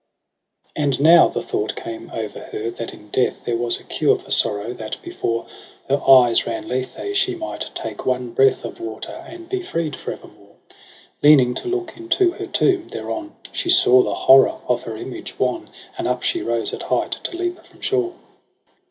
10 And now the thought came o'er her that in death There was a cure for sorrow, that before Her eyes ran Lethe, she might take one breath Of water and be freed for evermore. Leaning to look into her tomb, thereon She saw the horror of her image wan. And up she rose at height to leap from shore.